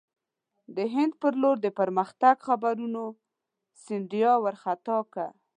د هند پر لور د پرمختګ خبرونو سیندیا وارخطا کړ.